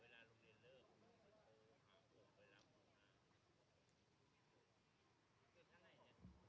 สวัสดีครับ